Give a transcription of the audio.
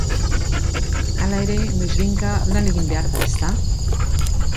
Hala ere, noizbehinka lan egin behar da, ezta?